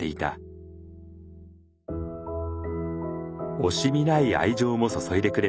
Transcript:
惜しみない愛情も注いでくれました。